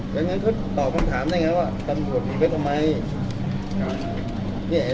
ใช่ไหมเราไปกลัวมันทำไมหรอมีแต่หาข้อมูลขึ้นมาถ่ายได้แล้วโยนเข้ามา